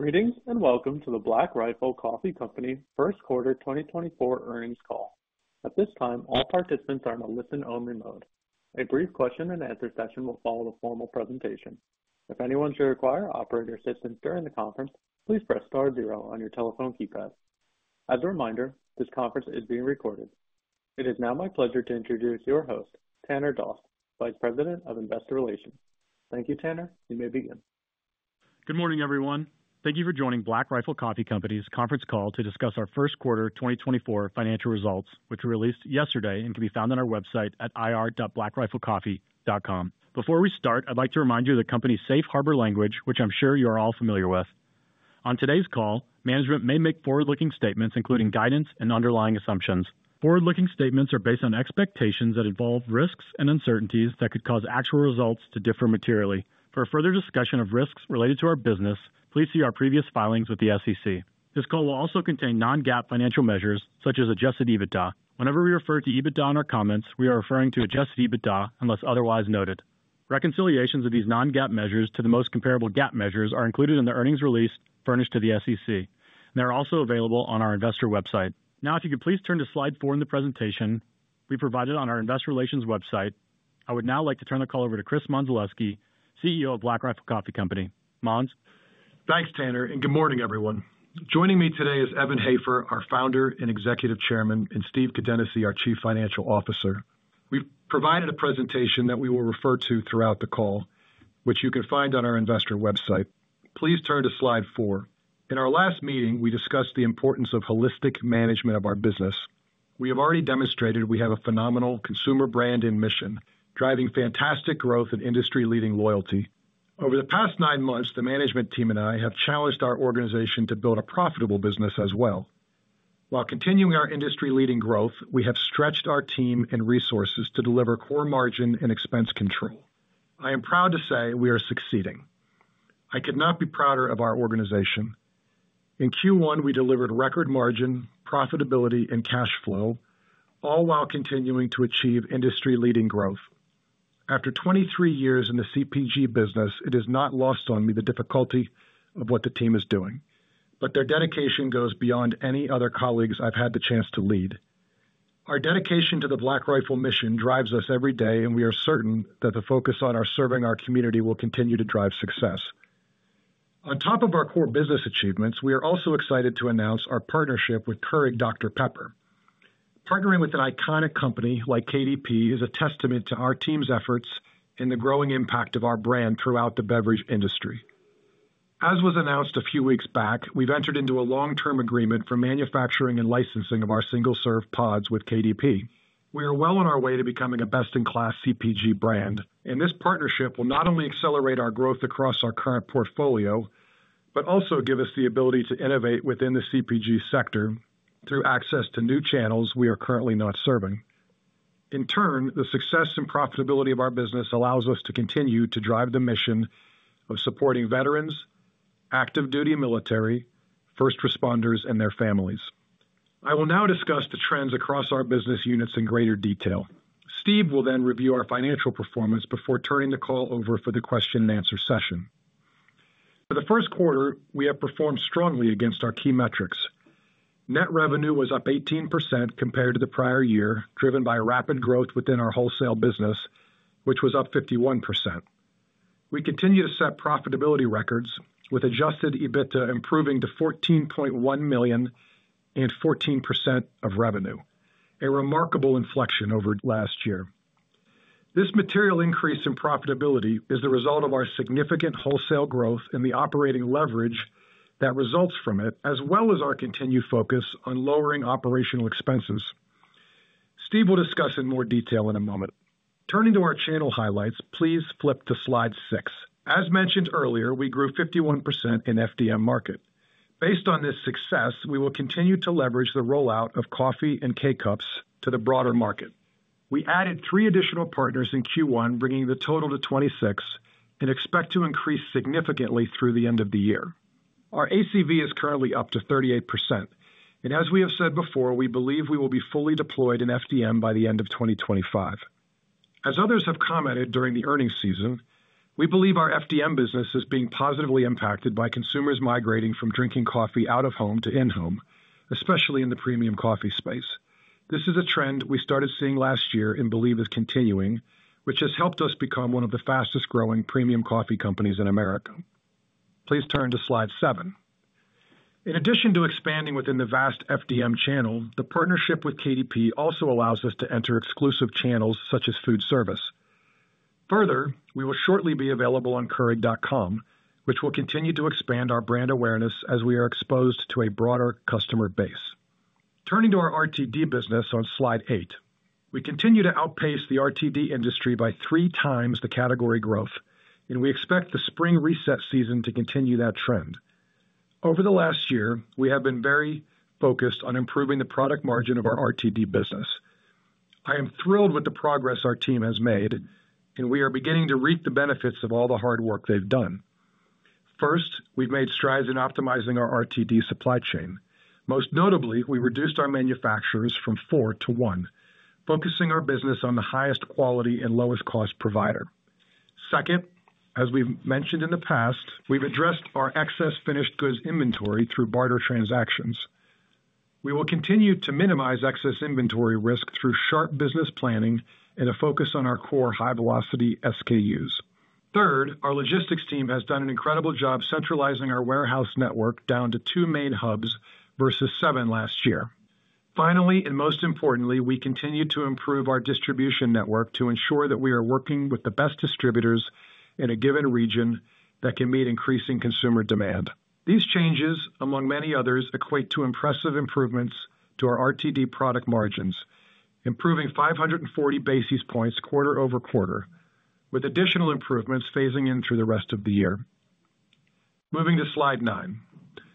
Greetings, and welcome to the Black Rifle Coffee Company first quarter 2024 earnings call. At this time, all participants are in a listen-only mode. A brief question and answer session will follow the formal presentation. If anyone should require operator assistance during the conference, please press star zero on your telephone keypad. As a reminder, this conference is being recorded. It is now my pleasure to introduce your host, Tanner Doss, Vice President of Investor Relations. Thank you, Tanner. You may begin. Good morning, everyone. Thank you for joining Black Rifle Coffee Company's conference call to discuss our first quarter 2024 financial results, which were released yesterday and can be found on our website at ir.blackriflecoffee.com. Before we start, I'd like to remind you of the company's safe harbor language, which I'm sure you are all familiar with. On today's call, management may make forward-looking statements, including guidance and underlying assumptions. Forward-looking statements are based on expectations that involve risks and uncertainties that could cause actual results to differ materially. For a further discussion of risks related to our business, please see our previous filings with the SEC. This call will also contain non-GAAP financial measures such as adjusted EBITDA. Whenever we refer to EBITDA in our comments, we are referring to adjusted EBITDA, unless otherwise noted. Reconciliations of these non-GAAP measures to the most comparable GAAP measures are included in the earnings release furnished to the SEC, and they're also available on our investor website. Now, if you could please turn to slide 4 in the presentation we provided on our investor relations website. I would now like to turn the call over to Chris Mondzelewski, CEO of Black Rifle Coffee Company. Monz? Thanks, Tanner, and good morning, everyone. Joining me today is Evan Hafer, our Founder and Executive Chairman, and Steve Kadenacy, our Chief Financial Officer. We've provided a presentation that we will refer to throughout the call, which you can find on our investor website. Please turn to slide four. In our last meeting, we discussed the importance of holistic management of our business. We have already demonstrated we have a phenomenal consumer brand and mission, driving fantastic growth and industry-leading loyalty. Over the past nine months, the management team and I have challenged our organization to build a profitable business as well. While continuing our industry-leading growth, we have stretched our team and resources to deliver core margin and expense control. I am proud to say we are succeeding. I could not be prouder of our organization. In Q1, we delivered record margin, profitability, and cash flow, all while continuing to achieve industry-leading growth. After 23 years in the CPG business, it is not lost on me the difficulty of what the team is doing, but their dedication goes beyond any other colleagues I've had the chance to lead. Our dedication to the Black Rifle mission drives us every day, and we are certain that the focus on our serving our community will continue to drive success. On top of our core business achievements, we are also excited to announce our partnership with Keurig Dr Pepper. Partnering with an iconic company like KDP is a testament to our team's efforts and the growing impact of our brand throughout the beverage industry. As was announced a few weeks back, we've entered into a long-term agreement for manufacturing and licensing of our single-serve pods with KDP. We are well on our way to becoming a best-in-class CPG brand, and this partnership will not only accelerate our growth across our current portfolio, but also give us the ability to innovate within the CPG sector through access to new channels we are currently not serving. In turn, the success and profitability of our business allows us to continue to drive the mission of supporting veterans, active duty military, first responders, and their families. I will now discuss the trends across our business units in greater detail. Steve will then review our financial performance before turning the call over for the question and answer session. For the first quarter, we have performed strongly against our key metrics. Net revenue was up 18% compared to the prior year, driven by rapid growth within our wholesale business, which was up 51%. We continue to set profitability records, with Adjusted EBITDA improving to $14.1 million and 14% of revenue, a remarkable inflection over last year. This material increase in profitability is the result of our significant wholesale growth and the operating leverage that results from it, as well as our continued focus on lowering operational expenses. Steve will discuss in more detail in a moment. Turning to our channel highlights, please flip to slide 6. As mentioned earlier, we grew 51% in FDM market. Based on this success, we will continue to leverage the rollout of coffee and K-Cups to the broader market. We added three additional partners in Q1, bringing the total to 26, and expect to increase significantly through the end of the year. Our ACV is currently up to 38%, and as we have said before, we believe we will be fully deployed in FDM by the end of 2025. As others have commented during the earnings season, we believe our FDM business is being positively impacted by consumers migrating from drinking coffee out of home to in-home, especially in the premium coffee space. This is a trend we started seeing last year and believe is continuing, which has helped us become one of the fastest growing premium coffee companies in America. Please turn to slide 7. In addition to expanding within the vast FDM channel, the partnership with KDP also allows us to enter exclusive channels such as food service. Further, we will shortly be available on Keurig.com, which will continue to expand our brand awareness as we are exposed to a broader customer base. Turning to our RTD business on slide 8. We continue to outpace the RTD industry by three times the category growth, and we expect the spring reset season to continue that trend. Over the last year, we have been very focused on improving the product margin of our RTD business. I am thrilled with the progress our team has made, and we are beginning to reap the benefits of all the hard work they've done. First, we've made strides in optimizing our RTD supply chain. Most notably, we reduced our manufacturers from 4 to 1, focusing our business on the highest quality and lowest cost provider. Second, as we've mentioned in the past, we've addressed our excess finished goods inventory through barter transactions. We will continue to minimize excess inventory risk through sharp business planning and a focus on our core high-velocity SKUs. Third, our logistics team has done an incredible job centralizing our warehouse network down to 2 main hubs versus 7 last year. Finally, and most importantly, we continue to improve our distribution network to ensure that we are working with the best distributors in a given region that can meet increasing consumer demand. These changes, among many others, equate to impressive improvements to our RTD product margins, improving 540 basis points quarter-over-quarter, with additional improvements phasing in through the rest of the year. Moving to slide 9,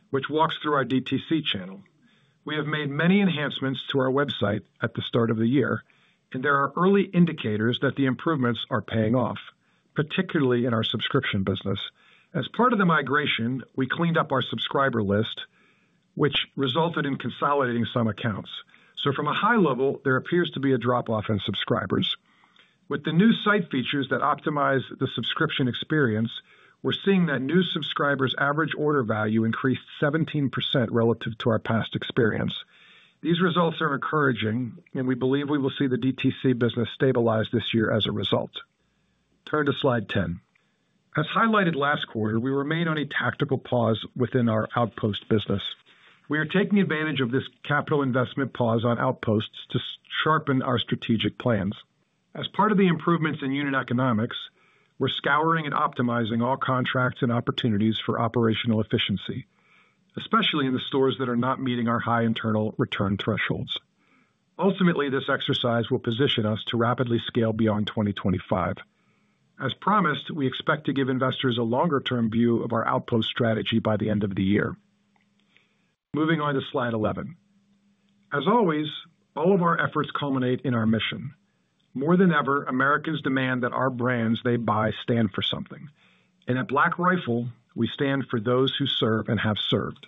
which walks through our DTC channel. We have made many enhancements to our website at the start of the year, and there are early indicators that the improvements are paying off, particularly in our subscription business. As part of the migration, we cleaned up our subscriber list, which resulted in consolidating some accounts. So from a high level, there appears to be a drop-off in subscribers. With the new site features that optimize the subscription experience, we're seeing that new subscribers' average order value increased 17% relative to our past experience. These results are encouraging, and we believe we will see the DTC business stabilize this year as a result. Turn to slide 10. As highlighted last quarter, we remain on a tactical pause within our Outpost business. We are taking advantage of this capital investment pause on Outposts to sharpen our strategic plans. As part of the improvements in unit economics, we're scouring and optimizing all contracts and opportunities for operational efficiency, especially in the stores that are not meeting our high internal return thresholds. Ultimately, this exercise will position us to rapidly scale beyond 2025. As promised, we expect to give investors a longer-term view of our Outpost strategy by the end of the year. Moving on to slide 11. As always, all of our efforts culminate in our mission. More than ever, Americans demand that our brands they buy stand for something, and at Black Rifle, we stand for those who serve and have served.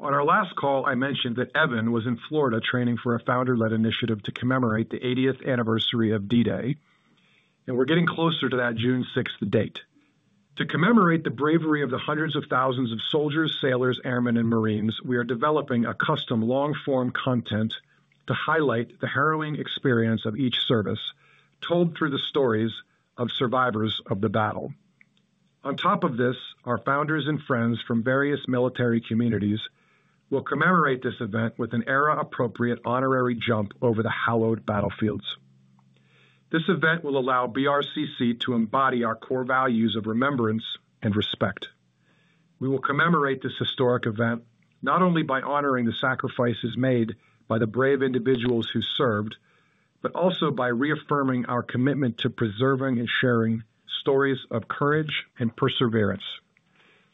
On our last call, I mentioned that Evan was in Florida, training for a founder-led initiative to commemorate the 80th anniversary of D-Day, and we're getting closer to that June 6 date. To commemorate the bravery of the hundreds of thousands of soldiers, sailors, airmen and marines, we are developing a custom long-form content to highlight the harrowing experience of each service, told through the stories of survivors of the battle. On top of this, our founders and friends from various military communities will commemorate this event with an era-appropriate honorary jump over the hallowed battlefields. This event will allow BRCC to embody our core values of remembrance and respect. We will commemorate this historic event not only by honoring the sacrifices made by the brave individuals who served, but also by reaffirming our commitment to preserving and sharing stories of courage and perseverance.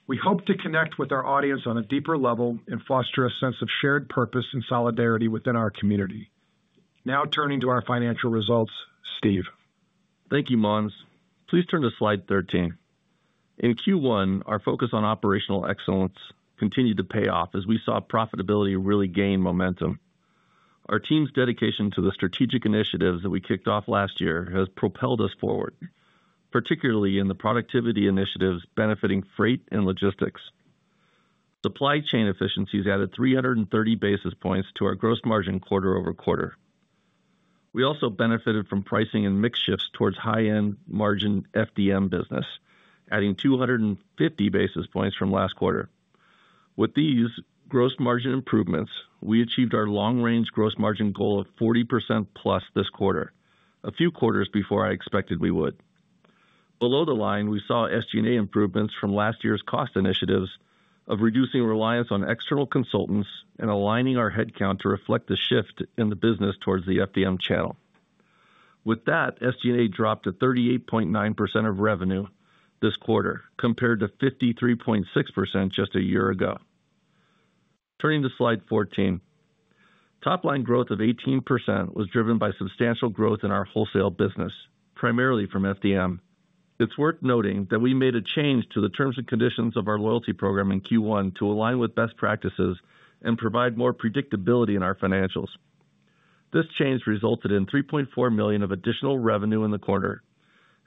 We hope to connect with our audience on a deeper level and foster a sense of shared purpose and solidarity within our community. Now turning to our financial results, Steve. Thank you, Monz. Please turn to slide 13. In Q1, our focus on operational excellence continued to pay off as we saw profitability really gain momentum. Our team's dedication to the strategic initiatives that we kicked off last year has propelled us forward, particularly in the productivity initiatives benefiting freight and logistics. Supply chain efficiencies added 330 basis points to our gross margin quarter-over-quarter. We also benefited from pricing and mix shifts towards high-end margin FDM business, adding 250 basis points from last quarter. With these gross margin improvements, we achieved our long-range gross margin goal of 40% plus this quarter, a few quarters before I expected we would. Below the line, we saw SG&A improvements from last year's cost initiatives of reducing reliance on external consultants and aligning our headcount to reflect the shift in the business towards the FDM channel. With that, SG&A dropped to 38.9% of revenue this quarter, compared to 53.6% just a year ago. Turning to slide 14. Top-line growth of 18% was driven by substantial growth in our wholesale business, primarily from FDM. It's worth noting that we made a change to the terms and conditions of our loyalty program in Q1 to align with best practices and provide more predictability in our financials. This change resulted in $3.4 million of additional revenue in the quarter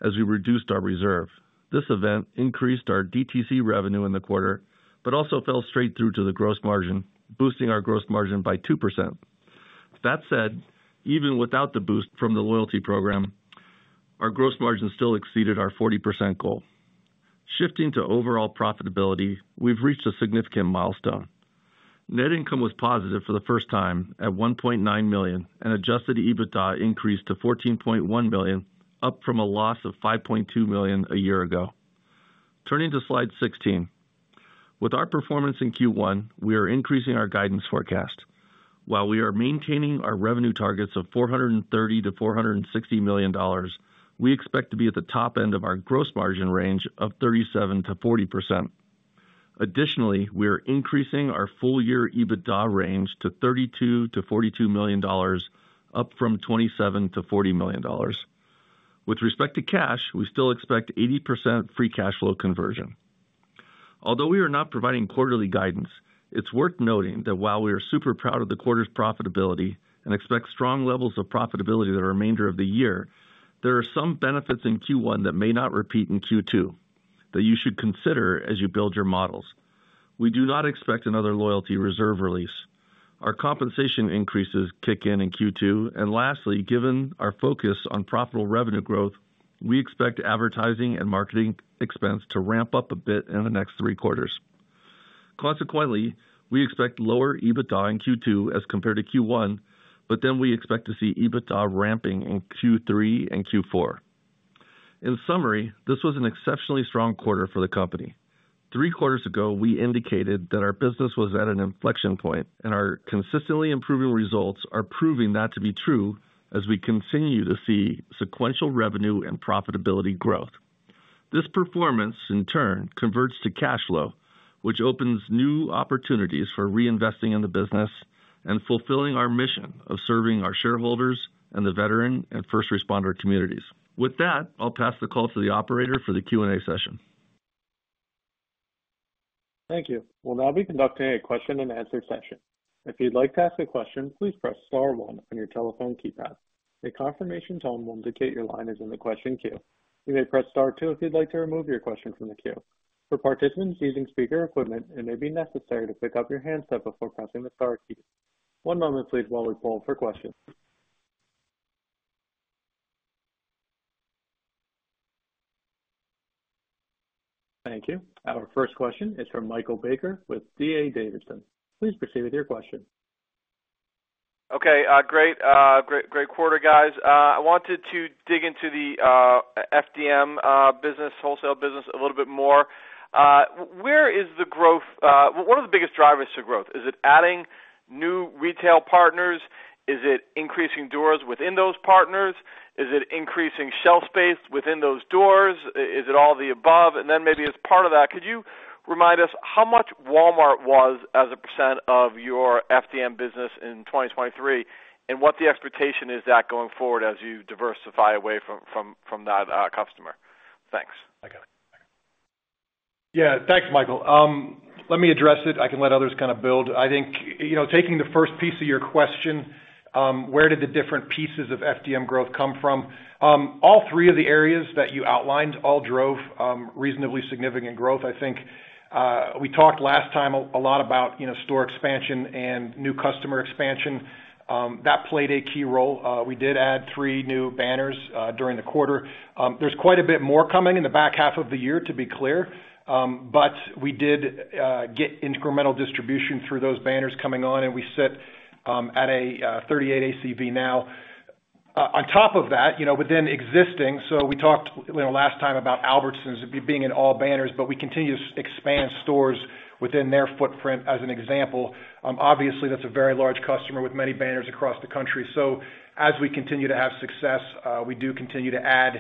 as we reduced our reserve. This event increased our DTC revenue in the quarter, but also fell straight through to the gross margin, boosting our gross margin by 2%. That said, even without the boost from the loyalty program, our gross margin still exceeded our 40% goal. Shifting to overall profitability, we've reached a significant milestone. Net income was positive for the first time at $1.9 million, and Adjusted EBITDA increased to $14.1 million, up from a loss of $5.2 million a year ago. Turning to slide 16. With our performance in Q1, we are increasing our guidance forecast. While we are maintaining our revenue targets of $430 million-$460 million, we expect to be at the top end of our gross margin range of 37%-40%. Additionally, we are increasing our full year EBITDA range to $32 million-$42 million, up from $27 million-$40 million. With respect to cash, we still expect 80% free cash flow conversion. Although we are not providing quarterly guidance, it's worth noting that while we are super proud of the quarter's profitability and expect strong levels of profitability for the remainder of the year, there are some benefits in Q1 that may not repeat in Q2.... that you should consider as you build your models. We do not expect another loyalty reserve release. Our compensation increases kick in in Q2, and lastly, given our focus on profitable revenue growth, we expect advertising and marketing expense to ramp up a bit in the next three quarters. Consequently, we expect lower EBITDA in Q2 as compared to Q1, but then we expect to see EBITDA ramping in Q3 and Q4. In summary, this was an exceptionally strong quarter for the company. Three quarters ago, we indicated that our business was at an inflection point, and our consistently improving results are proving that to be true as we continue to see sequential revenue and profitability growth. This performance, in turn, converts to cash flow, which opens new opportunities for reinvesting in the business and fulfilling our mission of serving our shareholders and the veteran and first responder communities. With that, I'll pass the call to the operator for the Q&A session. Thank you. We'll now be conducting a question-and-answer session. If you'd like to ask a question, please press star one on your telephone keypad. A confirmation tone will indicate your line is in the question queue. You may press star two if you'd like to remove your question from the queue. For participants using speaker equipment, it may be necessary to pick up your handset before pressing the star key. One moment, please, while we poll for questions. Thank you. Our first question is from Michael Baker with DA Davidson. Please proceed with your question. Okay, great, great quarter, guys. I wanted to dig into the FDM business, wholesale business, a little bit more. Where is the growth, what are the biggest drivers to growth? Is it adding new retail partners? Is it increasing doors within those partners? Is it increasing shelf space within those doors? Is it all the above? And then maybe as part of that, could you remind us how much Walmart was as a percent of your FDM business in 2023, and what the expectation is that going forward as you diversify away from, from, from that customer? Thanks. Yeah. Thanks, Michael. Let me address it. I can let others kind of build. I think, you know, taking the first piece of your question, where did the different pieces of FDM growth come from? All three of the areas that you outlined all drove reasonably significant growth. I think, we talked last time a lot about, you know, store expansion and new customer expansion. That played a key role. We did add 3 new banners during the quarter. There's quite a bit more coming in the back half of the year, to be clear. But we did get incremental distribution through those banners coming on, and we sit at 38 ACV now. On top of that, you know, within existing, so we talked, you know, last time about Albertsons being in all banners, but we continue to expand stores within their footprint, as an example. Obviously, that's a very large customer with many banners across the country. So as we continue to have success, we do continue to add,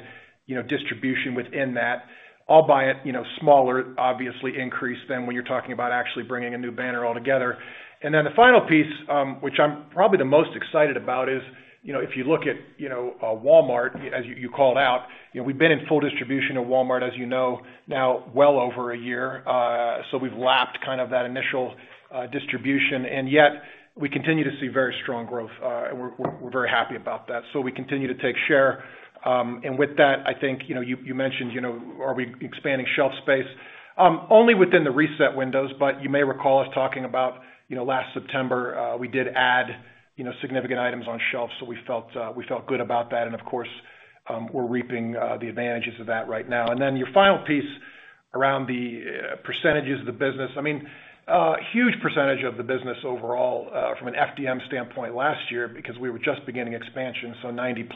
you know, distribution within that, albeit, you know, smaller, obviously, increase than when you're talking about actually bringing a new banner altogether. And then the final piece, which I'm probably the most excited about, is, you know, if you look at, you know, Walmart, as you called out, you know, we've been in full distribution of Walmart, as you know, now well over a year. So we've lapped kind of that initial distribution, and yet we continue to see very strong growth. And we're very happy about that. So we continue to take share. And with that, I think, you know, you mentioned, you know, are we expanding shelf space? Only within the reset windows, but you may recall us talking about, you know, last September, we did add, you know, significant items on shelf, so we felt good about that, and of course, we're reaping the advantages of that right now. And then your final piece around the percentages of the business. I mean, a huge percentage of the business overall, from an FDM standpoint last year, because we were just beginning expansion, so 90%.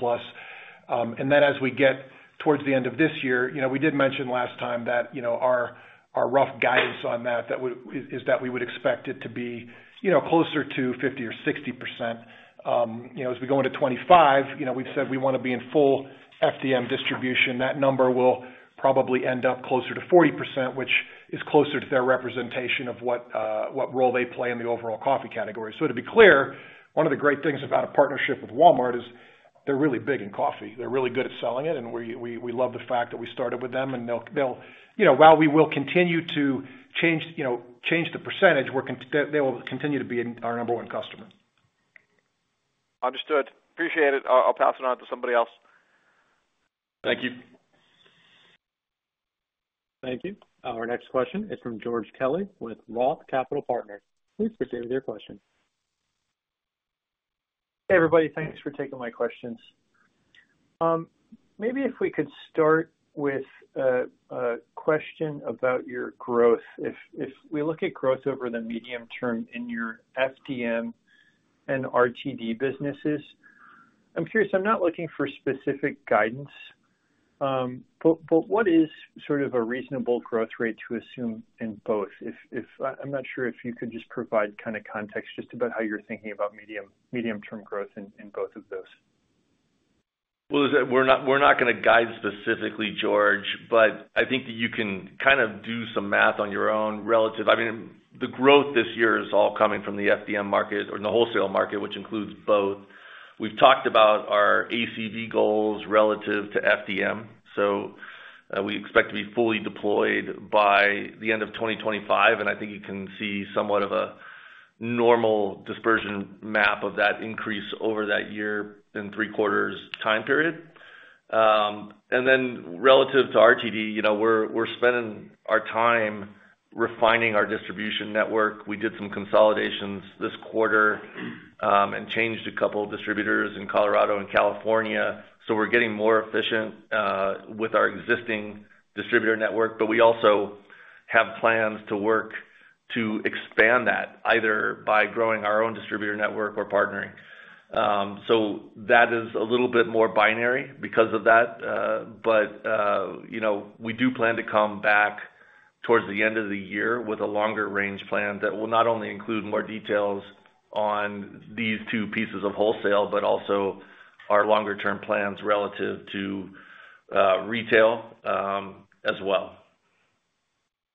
And then as we get towards the end of this year, you know, we did mention last time that, you know, our, our rough guidance on that is that we would expect it to be, you know, closer to 50 or 60%. You know, as we go into 25, you know, we've said we wanna be in full FDM distribution. That number will probably end up closer to 40%, which is closer to their representation of what role they play in the overall coffee category. So to be clear, one of the great things about a partnership with Walmart is they're really big in coffee. They're really good at selling it, and we love the fact that we started with them, and they'll. You know, while we will continue to change, you know, change the percentage, we're. They will continue to be our number one customer. Understood. Appreciate it. I'll pass it on to somebody else. Thank you. Thank you. Our next question is from George Kelly with Roth Capital Partners. Please proceed with your question. Hey, everybody. Thanks for taking my questions. Maybe if we could start with a question about your growth. If we look at growth over the medium term in your FDM and RTD businesses, I'm curious. I'm not looking for specific guidance, but what is sort of a reasonable growth rate to assume in both? I'm not sure if you could just provide kind of context just about how you're thinking about medium-term growth in both of those. Well, listen, we're not, we're not gonna guide specifically, George, but I think that you can kind of do some math on your own relative... I mean, the growth this year is all coming from the FDM market or the wholesale market, which includes both. We've talked about our ACV goals relative to FDM, so we expect to be fully deployed by the end of 2025, and I think you can see somewhat of a-... normal dispersion map of that increase over that year in three quarters time period. And then relative to RTD, you know, we're spending our time refining our distribution network. We did some consolidations this quarter, and changed a couple of distributors in Colorado and California. So we're getting more efficient with our existing distributor network, but we also have plans to work to expand that, either by growing our own distributor network or partnering. So that is a little bit more binary because of that, but, you know, we do plan to come back towards the end of the year with a longer-range plan that will not only include more details on these two pieces of wholesale, but also our longer-term plans relative to retail, as well.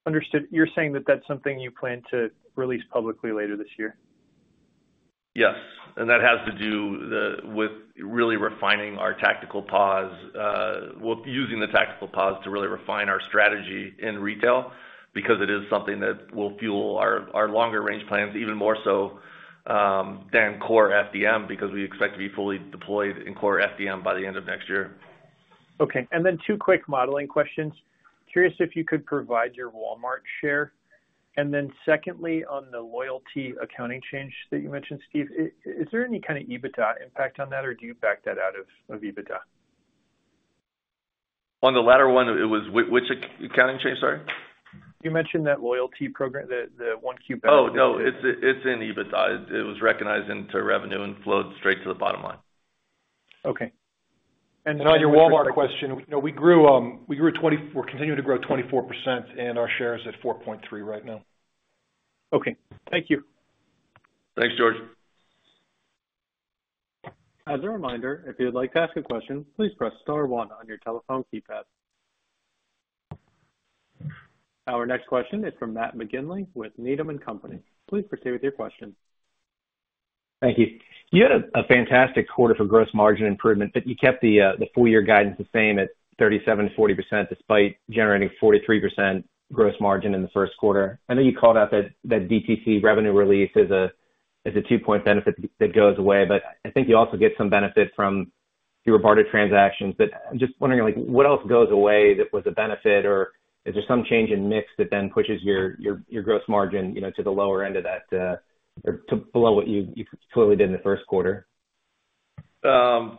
Understood. You're saying that that's something you plan to release publicly later this year? Yes. And that has to do with really refining our tactical pause, with using the tactical pause to really refine our strategy in retail, because it is something that will fuel our longer range plans even more so than core FDM, because we expect to be fully deployed in core FDM by the end of next year. Okay. And then two quick modeling questions. Curious if you could provide your Walmart share. And then secondly, on the loyalty accounting change that you mentioned, Steve, is there any kind of EBITDA impact on that, or do you back that out of EBITDA? On the latter one, it was which accounting change, sorry? You mentioned that loyalty program, the 1Q- Oh, no, it's, it's in EBITDA. It, it was recognized into revenue and flowed straight to the bottom line. Okay. On your Walmart question, you know, we grew, we're continuing to grow 24%, and our share is at 4.3 right now. Okay. Thank you. Thanks, George. As a reminder, if you'd like to ask a question, please press star one on your telephone keypad. Our next question is from Matt McGinley, with Needham & Company. Please proceed with your question. Thank you. You had a fantastic quarter for gross margin improvement, but you kept the full year guidance the same at 37%-40%, despite generating 43% gross margin in the first quarter. I know you called out that DTC revenue release is a 2-point benefit that goes away, but I think you also get some benefit from your barter transactions. But I'm just wondering, like, what else goes away that was a benefit, or is there some change in mix that then pushes your gross margin, you know, to the lower end of that, or to below what you clearly did in the first quarter?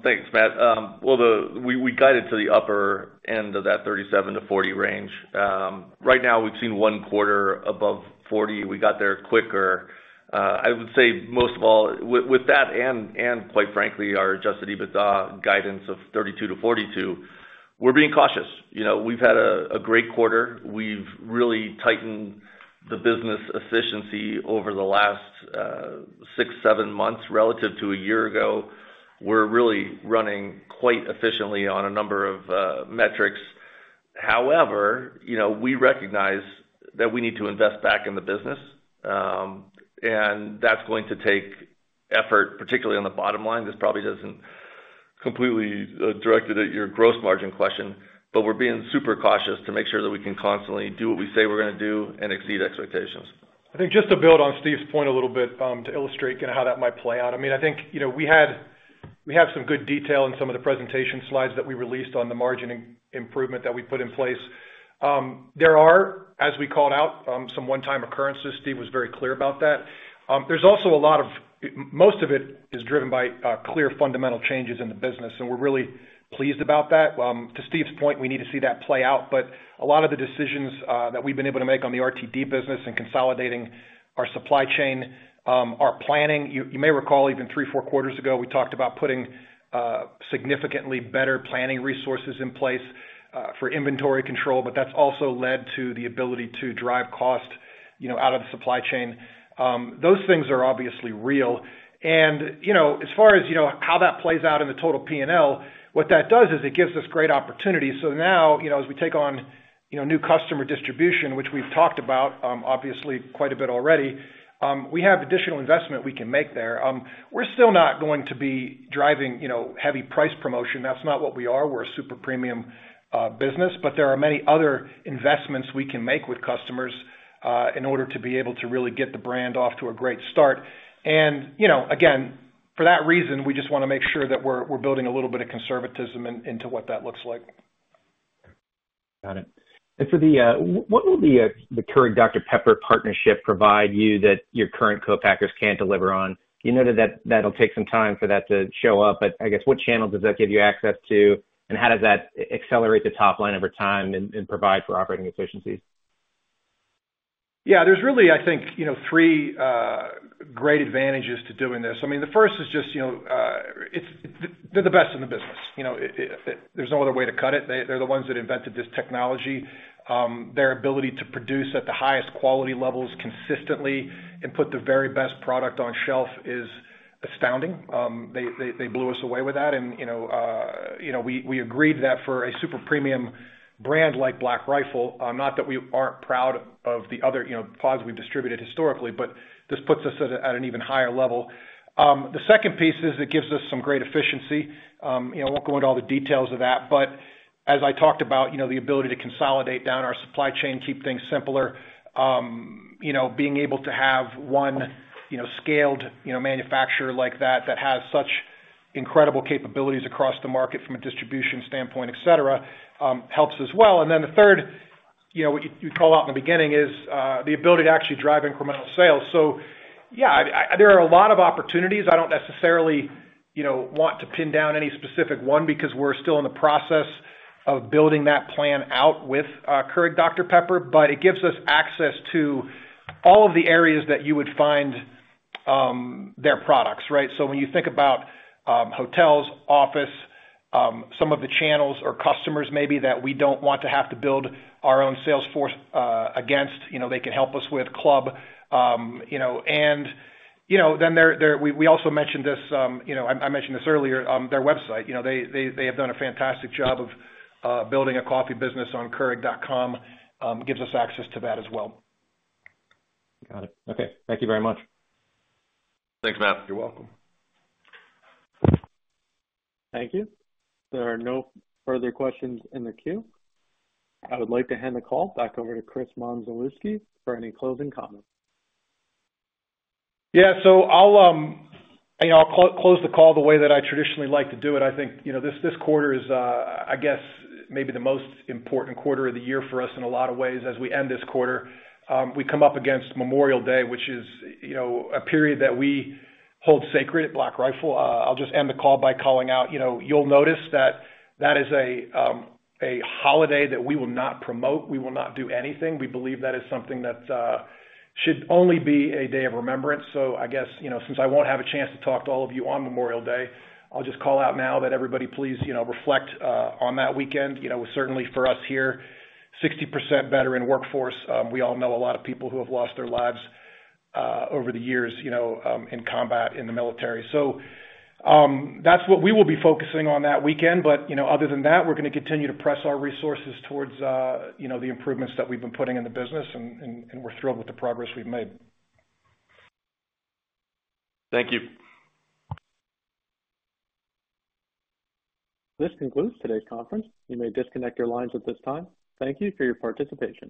Thanks, Matt. Well, we guided to the upper end of that 37-40 range. Right now, we've seen one quarter above 40. We got there quicker. I would say most of all, with that and quite frankly, our Adjusted EBITDA guidance of 32-42, we're being cautious. You know, we've had a great quarter. We've really tightened the business efficiency over the last 6, 7 months relative to a year ago. We're really running quite efficiently on a number of metrics. However, you know, we recognize that we need to invest back in the business, and that's going to take effort, particularly on the bottom line. This probably doesn't completely directed at your Gross Margin question, but we're being super cautious to make sure that we can constantly do what we say we're gonna do and exceed expectations. I think just to build on Steve's point a little bit, to illustrate kind of how that might play out. I mean, I think, you know, we have some good detail in some of the presentation slides that we released on the margin improvement that we put in place. There are, as we called out, some one-time occurrences. Steve was very clear about that. There's also a lot of, most of it is driven by clear fundamental changes in the business, and we're really pleased about that. To Steve's point, we need to see that play out, but a lot of the decisions that we've been able to make on the RTD business and consolidating our supply chain, our planning... You may recall, even 3, 4 quarters ago, we talked about putting significantly better planning resources in place for inventory control, but that's also led to the ability to drive cost, you know, out of the supply chain. Those things are obviously real. And, you know, as far as, you know, how that plays out in the total P&L, what that does is it gives us great opportunities. So now, you know, as we take on, you know, new customer distribution, which we've talked about, obviously quite a bit already, we have additional investment we can make there. We're still not going to be driving, you know, heavy price promotion. That's not what we are. We're a super premium business, but there are many other investments we can make with customers in order to be able to really get the brand off to a great start. And, you know, again, for that reason, we just wanna make sure that we're building a little bit of conservatism into what that looks like. Got it. And so, what will the Keurig Dr Pepper partnership provide you that your current co-packers can't deliver on? You know that, that'll take some time for that to show up, but I guess, what channel does that give you access to, and how does that accelerate the top line over time and, and provide for operating efficiencies? Yeah, there's really, I think, you know, three great advantages to doing this. I mean, the first is just, you know, they're the best in the business. You know, there's no other way to cut it. They're the ones that invented this technology. Their ability to produce at the highest quality levels consistently and put the very best product on shelf is astounding. They blew us away with that. And, you know, you know, we agreed that for a super premium brand like Black Rifle, not that we aren't proud of the other, you know, pods we've distributed historically, but this puts us at an even higher level. The second piece is it gives us some great efficiency. You know, I won't go into all the details of that, but as I talked about, you know, the ability to consolidate down our supply chain, keep things simpler, you know, being able to have one, you know, scaled, you know, manufacturer like that, that has such incredible capabilities across the market from a distribution standpoint, et cetera, helps as well. And then the third, you know, what you called out in the beginning, is the ability to actually drive incremental sales. So, yeah, there are a lot of opportunities. I don't necessarily, you know, want to pin down any specific one because we're still in the process of building that plan out with Keurig Dr Pepper, but it gives us access to all of the areas that you would find their products, right? So when you think about hotels, office, some of the channels or customers maybe that we don't want to have to build our own sales force against, you know, they can help us with club. You know, and you know, then there we also mentioned this, you know, I mentioned this earlier, their website, you know, they have done a fantastic job of building a coffee business on Keurig.com, gives us access to that as well. Got it. Okay. Thank you very much. Thanks, Matt. You're welcome. Thank you. There are no further questions in the queue. I would like to hand the call back over to Chris Mondzelewski for any closing comments. Yeah, so I'll close the call the way that I traditionally like to do it. I think, you know, this quarter is, I guess, maybe the most important quarter of the year for us in a lot of ways as we end this quarter. We come up against Memorial Day, which is, you know, a period that we hold sacred at Black Rifle. I'll just end the call by calling out. You know, you'll notice that that is a holiday that we will not promote. We will not do anything. We believe that is something that should only be a day of remembrance. So I guess, you know, since I won't have a chance to talk to all of you on Memorial Day, I'll just call out now that everybody, please, you know, reflect on that weekend. You know, certainly for us here, 60% veteran workforce, we all know a lot of people who have lost their lives over the years, you know, in combat in the military. So, that's what we will be focusing on that weekend. But, you know, other than that, we're gonna continue to press our resources towards, you know, the improvements that we've been putting in the business, and, and, and we're thrilled with the progress we've made. Thank you. This concludes today's conference. You may disconnect your lines at this time. Thank you for your participation.